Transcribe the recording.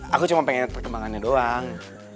aku cuma pengen perkembangannya doang